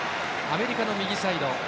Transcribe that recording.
アメリカの右サイド。